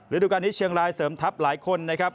ฤดูการนี้เชียงรายเสริมทัพหลายคนนะครับ